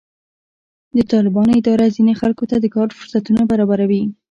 د طالبانو اداره ځینې خلکو ته د کار فرصتونه برابروي.